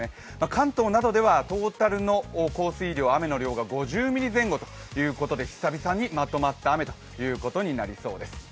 関東などではトータルの降水量が５０ミリ前後ということで久々にまとまった雨ということになりそうです